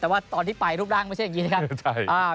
แต่ว่าตอนที่ไปรูปร่างไม่ใช่อย่างนี้นะครับ